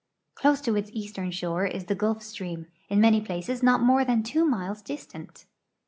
Close to its eastern shore is the Gulf stream, in many ])laces not more than two miles distant.